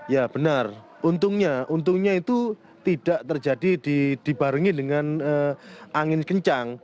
ya benar untungnya untungnya itu tidak terjadi dibarengi dengan angin kencang